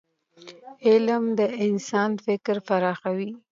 علم د انسان فکر پراخوي.